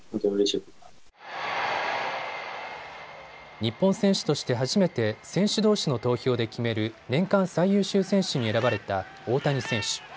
日本選手として初めて選手どうしの投票で決める年間最優秀選手に選ばれた大谷選手。